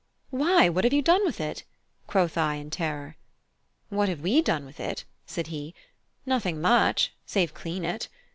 "Why, what have you done with it?" quoth I in terror. "What have we done with it?" said he; "nothing much, save clean it.